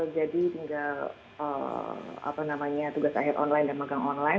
jadi tinggal apa namanya tugas akhir online dan megang online